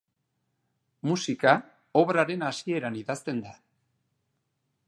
Musika obraren hasieran idazten da.